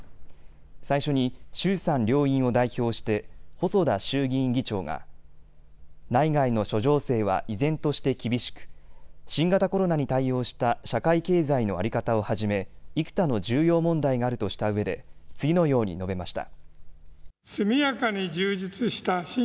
最初に衆参両院を代表して細田衆議院議長が内外の諸情勢は依然として厳しく新型コロナに対応した社会経済の在り方をはじめ幾多の重要問題があるとしたうえで次のように述べました。